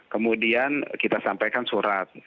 kemudian kita sampaikan surat